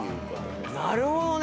なるほどね！